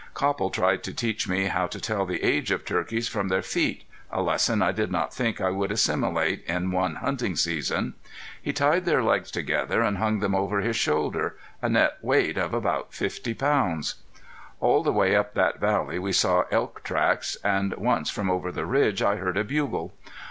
Copple tried to teach me how to tell the age of turkeys from their feet, a lesson I did not think I would assimilate in one hunting season. He tied their legs together and hung them over his shoulder, a net weight of about fifty pounds. All the way up that valley we saw elk tracks, and once from over the ridge I heard a bugle.